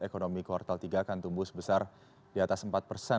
ekonomi kuartal tiga akan tumbuh sebesar di atas empat persen